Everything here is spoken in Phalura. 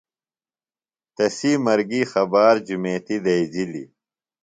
تسی مرگیۡ خبار جُمیتیۡ دئیجِلیۡ.